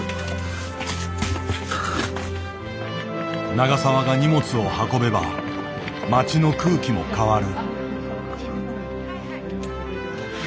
永澤が荷物を運べば町の空気も変わる。